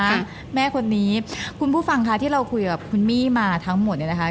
ซึ่งแม่คนนี้คุณผู้ฟังค่ะที่เราคุยกับคุณมี่มาทั้งหมดเนี่ยนะคะ